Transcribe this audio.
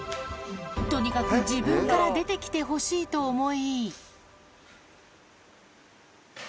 とにかく自分から出て来てほしいと思い